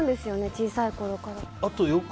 小さいころから。